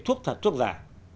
thuốc thật thuốc giả